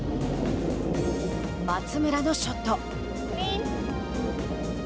松村のショット。